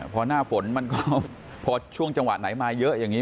พอหน้าฝนมันก็พอช่วงจังหวะไหนมาเยอะอย่างนี้